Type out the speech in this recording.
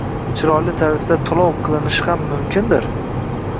“chiroyli tarzda to‘lov” qilinishi ham mumkindir